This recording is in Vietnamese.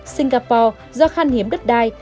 singapore do khan hiếm đất đai